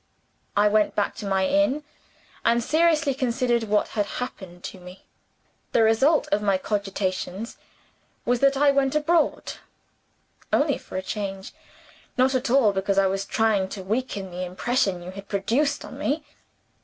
I went back to my inn, and seriously considered what had happened to me. The result of my cogitations was that I went abroad. Only for a change not at all because I was trying to weaken the impression you had produced on me!